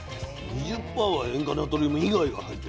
２０％は塩化ナトリウム以外が入ってるわけね。